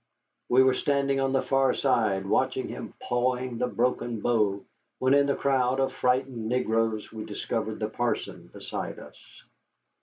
We were standing on the far side, watching him pawing the broken bow, when, in the crowd of frightened negroes, we discovered the parson beside us.